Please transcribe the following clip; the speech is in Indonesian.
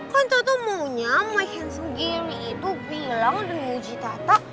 kan tata maunya my handsome geri itu bilang dan nguji tata